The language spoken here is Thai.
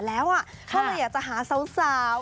อาจจะหาสาว